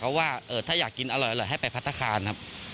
เพราะว่าถ้าอยากกินอร่อยให้ไปพัฒนาคารครับ